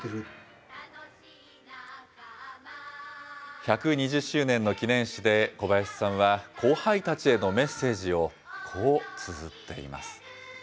１２０周年の記念誌で、小林さんは後輩たちへのメッセージを、こうつづっています。